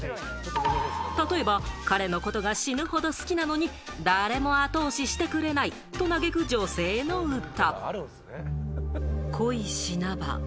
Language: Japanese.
例えば彼のことが死ぬほど好きなのに誰も後押ししてくれないと嘆く女性の歌。